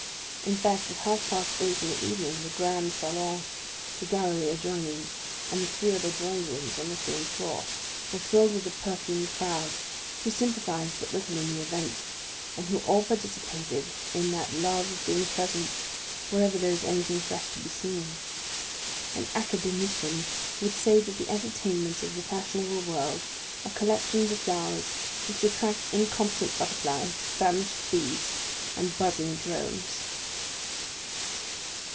In fact, at half past eight in the evening the grand salon, the gallery adjoining, and the three other drawing rooms on the same floor, were filled with a perfumed crowd, who sympathized but little in the event, but who all participated in that love of being present wherever there is anything fresh to be seen. An Academician would say that the entertainments of the fashionable world are collections of flowers which attract inconstant butterflies, famished bees, and buzzing drones.